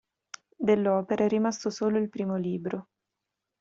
Dell'opera è rimasto solo il primo libro.